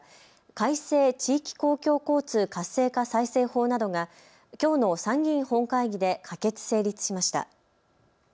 改正地域公共交通活性化再生法などがきょうの参議院本会議で可決・成立しました。